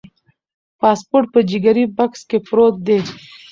پاسپورت په جګري بکس کې پروت دی.